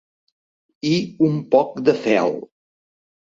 I un poc de fel.